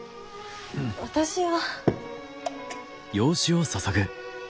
私は。